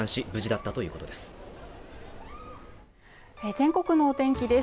全国の天気です